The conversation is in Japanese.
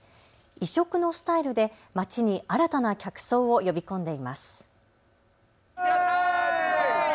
異色のスタイルで街に新たな客層を呼び込んでいます。